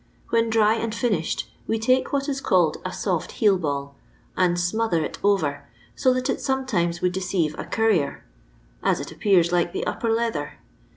When dry and finished, we take what is called a ' ioli> heel ball ' and ' smother ' it over, so that it lome times would deceive a currier, as it appears like the upper leather.